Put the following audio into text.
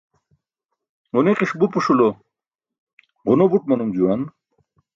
Ġuniki̇ṣ bupuṣulo ġuno buṭ manum juwan.